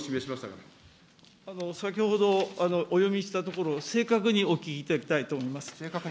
先ほどお読みしたところ、正確にお聞きいただきたいと思います。